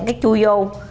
cái chui vô